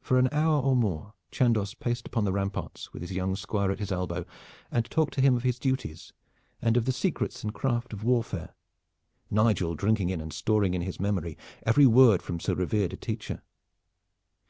For an hour or more Chandos paced upon the ramparts with his young Squire at his elbow and talked to him of his duties and of the secrets and craft of warfare, Nigel drinking in and storing in his memory every word from so revered a teacher.